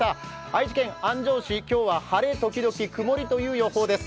愛知県安城市、今日は晴れ時々曇りという予報です。